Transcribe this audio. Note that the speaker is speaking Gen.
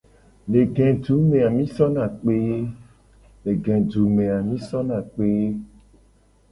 Le gedu me a mi sona kpe ye.